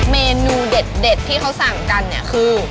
เมนูเด็ดที่เขาสั่งกันคือ